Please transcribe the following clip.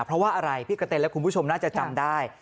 เพราะว่าอะไรพี่กระเต็นและคุณผู้ชมน่าจะจำได้